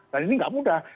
dan ini nggak mudah